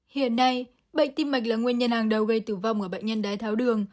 hiện nay bệnh tim mạch là nguyên nhân hàng đầu gây tử vong ở bệnh nhân đái tháo đường